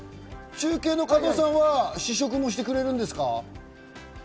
中継の加藤さんは試食もしてくれるんですか？